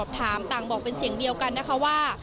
ถามต่างบอกเป็นเสียงเดียวกันนะคะว่า